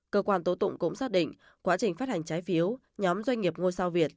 cơ quan tố tụng cũng xác định quá trình phát hành trái phiếu nhóm doanh nghiệp ngôi sao việt